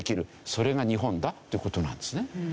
それが日本だという事なんですね。